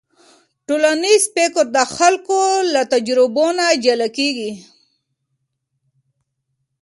ټولنیز فکر د خلکو له تجربو نه جلا کېږي.